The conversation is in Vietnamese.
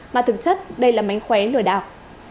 mà thực chất đây là mánh khóe lừa đạo